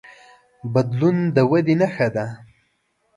بدلون د ودې نښه ده.